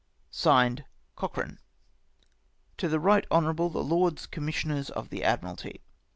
(Signed) " Cochkane. " To the Eight Hon. the Lords Commissioners of die Admiralty."